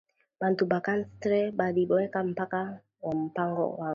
Bantu ba cadastre bari weka mpaka wa mpango yangu